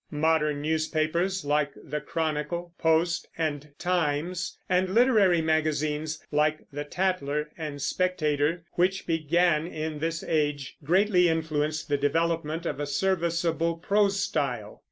Modern newspapers, like the Chronicle, Post, and Times, and literary magazines, like the Tatler and Spectator, which began in this age, greatly influenced the development of a serviceable prose style.